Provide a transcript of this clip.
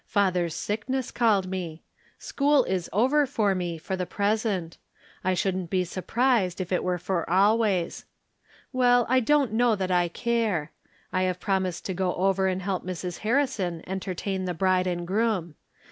Father's sickness called me. School is over for me, for the present ; I shouldn't be surprised if it were for always. Well, I don't know that I care. I have promised to go over and help Mrs. Harrison entertain the bride and groom.